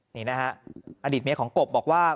นี่นะฮะอดีตเมียของกบบอกว่า